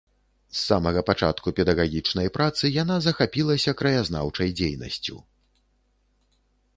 З самага пачатку педагагічнай працы яна захапілася краязнаўчай дзейнасцю.